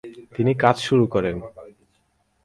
তিনি কাজ শুরু করেন।